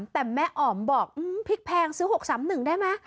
แต่แม่อ๋อมบอกพริกแพงซื้อ๖๓๑ได้ไหม